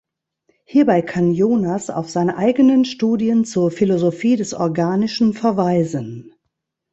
Hierbei kann Jonas auf seine eigenen Studien zur Philosophie des Organischen verweisen.